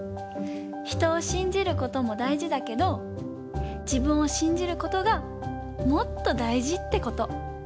人を信じることもだいじだけどじぶんを信じることがもっとだいじってこと。